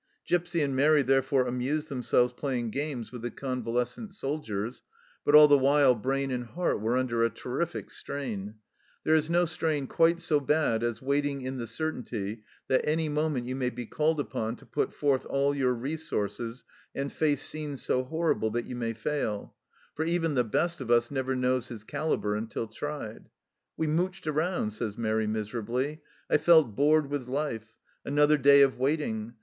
Gipsy and Mairi therefore amused themselves playing games with the convalescent IN THE THICK OF A BATTLE 21 soldiers, but all the while brain and heart were under a terrific strain ; there is no strain quite so bad as waiting in the certainty that any moment you may be called upon to put forth all your resources and face scenes so horrible that you may fail, for even the best of us never knows his calibre until tried. " We mouched around," says Mairi miserably. " I felt bored with life. Another day of waiting!